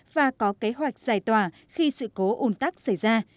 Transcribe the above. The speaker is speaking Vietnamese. và có kế hoạch giải tỏa khi sự cố ủn tắc xảy ra